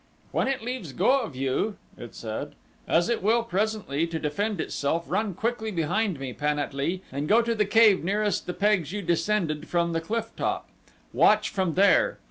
"When it leaves go of you," it said, "as it will presently to defend itself, run quickly behind me, Pan at lee, and go to the cave nearest the pegs you descended from the cliff top. Watch from there.